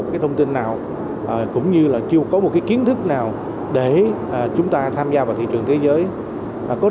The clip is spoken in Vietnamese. thì sẽ không thể nào phát triển được